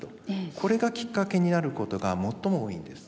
これがきっかけになることが最も多いんです。